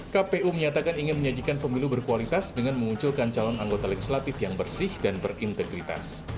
kpu menyatakan ingin menyajikan pemilu berkualitas dengan memunculkan calon anggota legislatif yang bersih dan berintegritas